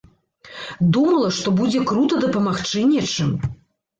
Думала, што будзе крута дапамагчы нечым.